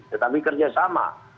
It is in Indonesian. tetapi kerja sama